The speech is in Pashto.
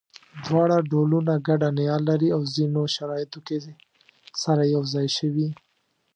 دواړه ډولونه ګډه نیا لري او ځینو شرایطو کې سره یو ځای شوي.